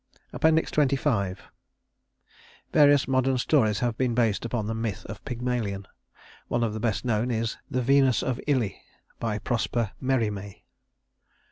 XXV Various modern stories have been based upon the myth of Pygmalion. One of the best known is "The Venus of Ille," by Prosper Mérimée.